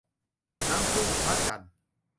น้ำผึ้งพระจันทร์